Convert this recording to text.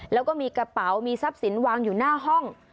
แล้วก็มีกระเป๋ามีทรัพย์สินวางอยู่หน้าห้อง